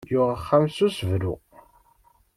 Yuɣ axxam s usebru.